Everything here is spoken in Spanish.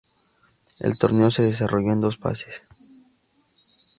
El torneo se desarrolló en dos fases.